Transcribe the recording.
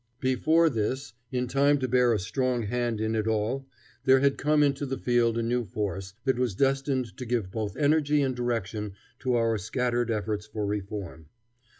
Before this, in time to bear a strong hand in it all, there had come into the field a new force that was destined to give both energy and direction to our scattered efforts for reform.